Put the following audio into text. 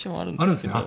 あるんですね。